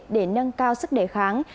để nâng cao sức đề kháng